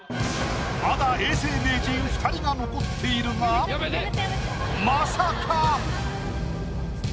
まだ永世名人２人が残っているがまさか！